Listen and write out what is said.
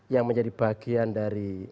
yang menjadi bagian dari